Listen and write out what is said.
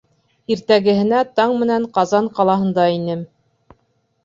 Иртәгәһенә таң менән Ҡазан ҡалаһында инем.